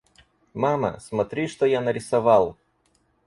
Мама, смотри что я нарисовал!